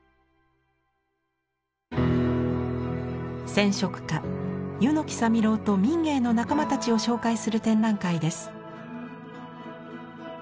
染色家柚木沙弥郎と民藝の仲間たちを紹介する展覧会です。